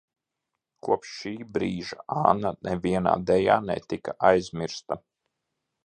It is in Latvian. Kopš šī brīža Anna nevienā dejā netika aizmirsta.